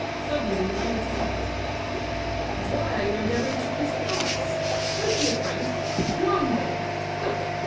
Suddenly he interfered: "But why are you endeavouring to please the eyes? Don't be afraid; blind them. Look!